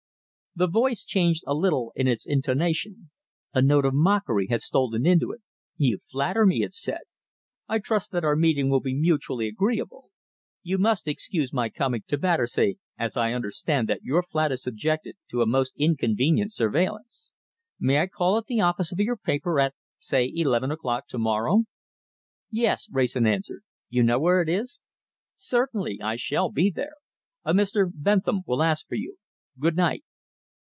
The voice changed a little in its intonation. A note of mockery had stolen into it. "You flatter me," it said. "I trust that our meeting will be mutually agreeable. You must excuse my coming to Battersea, as I understand that your flat is subjected to a most inconvenient surveillance. May I call at the office of your paper, at say eleven o'clock tomorrow?" "Yes!" Wrayson answered. "You know where it is?" "Certainly! I shall be there. A Mr. Bentham will ask for you. Good night!"